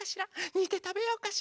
にてたべようかしら？